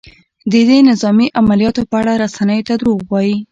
د دې نظامي عملیاتو په اړه رسنیو ته دروغ وايي؟